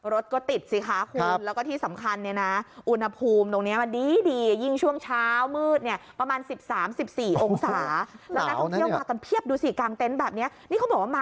รถก็ติดสิคะคุณแล้วก็ที่สำคัญนี่นะ